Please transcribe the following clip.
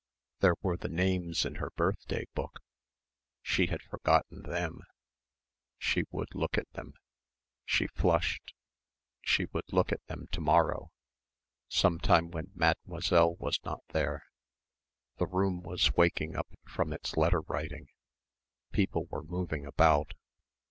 There were the names in her birthday book! She had forgotten them. She would look at them. She flushed. She would look at them to morrow, sometime when Mademoiselle was not there.... The room was waking up from its letter writing. People were moving about.